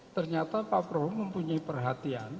ternyata pak prabowo mempunyai perhatian